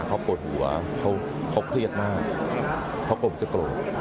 เขาปวดหัวเขาเครียดมากเพราะผมจะโกรธ